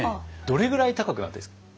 どれぐらい高くなったらいいですか？